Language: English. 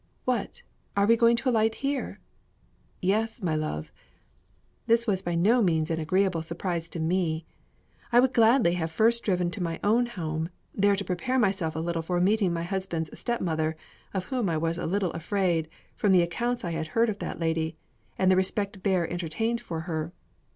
"What, are we going to alight here?" "Yes, my love." This was by no means an agreeable surprise to me. I would gladly have first driven to my own home, there to prepare myself a little for meeting my husband's stepmother, of whom I was a little afraid, from the accounts I had heard of that lady, and the respect Bear entertained for her.